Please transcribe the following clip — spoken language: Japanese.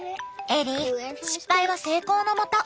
エリー失敗は成功のもと。